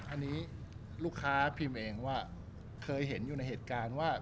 อันนี้ลูกค้าพิมพ์เองว่าเคยเห็นอยู่ในเหตุการณ์ว่า